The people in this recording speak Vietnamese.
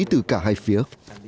từ cả hai phía